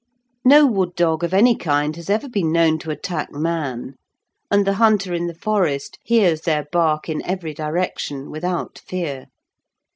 No wood dog, of any kind, has ever been known to attack man, and the hunter in the forest hears their bark in every direction without fear.